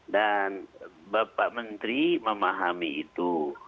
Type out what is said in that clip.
dan bapak menteri memahami itu